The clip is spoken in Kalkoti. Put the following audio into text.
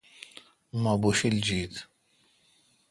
مہ بوݭل جیت۔